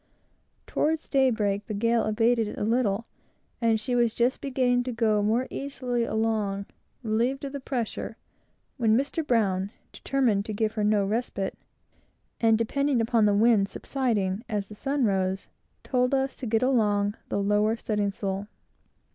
Toward daybreak the gale abated a little, and she was just beginning to go more easily along, relieved of the pressure, when Mr. Brown, determined to give her no respite, and depending upon the wind's subsiding as the sun rose, told us to get along the lower studding sail.